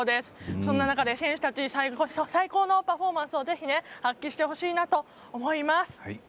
そんな中で選手たちに最高のパフォーマンスをぜひ発揮してほしいなと思います。